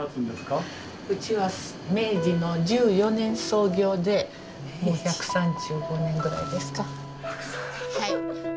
うちは明治の１４年創業でもう１３５年ぐらいですか。